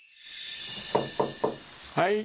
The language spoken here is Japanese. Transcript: ・はい。